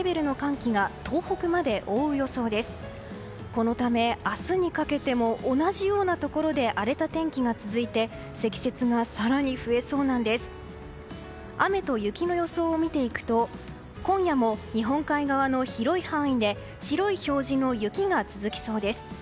雨と雪の予想を見ていくと今夜も日本海側の広い範囲で白い表示の雪が続きそうです。